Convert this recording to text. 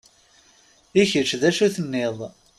I kečč d acu tenniḍ?